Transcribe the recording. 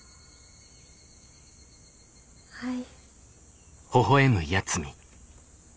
はい。